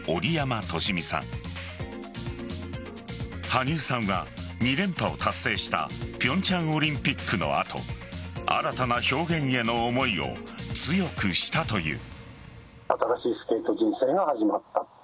羽生さんは２連覇を達成した平昌オリンピックの後新たな表現への思いを強くしたという。